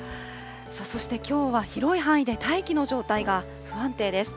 そしてきょうは、広い範囲で大気の状態が不安定です。